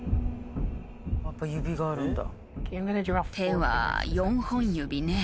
やっぱ指があるんだ。